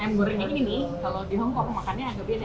ayam goreng begini kalau di hongkong makannya agak beda